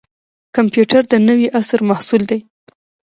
کمپیوټر د نوي عصر محصول دی